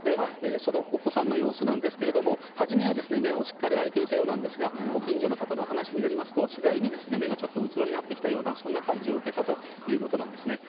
そのお子さんの様子なんですけれども、初めは目をしっかり開いていたようなんですが、ご近所の方の話によりますと、次第に目がちょっとうつろになってきたような、そんな感じを受けたということなんですね。